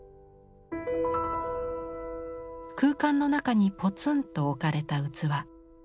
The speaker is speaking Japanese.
空間の中にポツンと置かれた器。